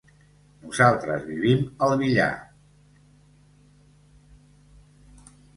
Nosaltres vivim al Villar.